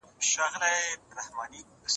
ولي انلاين کورسونه د وخت مدیریت ملاتړ کوي؟